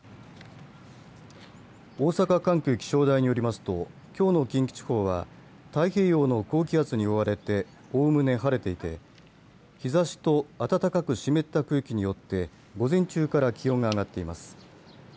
大阪管区気象台によりますときょうの近畿地方は太平洋の高気圧に覆われておおむね晴れていて日ざしと暖かく湿った空気によって午前中から気温が上がっています。